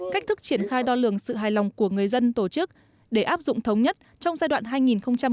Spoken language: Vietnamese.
cách thức triển khai đo lường sự hài lòng của người dân tổ chức để áp dụng thống nhất trong giai đoạn hai nghìn một mươi sáu hai nghìn hai mươi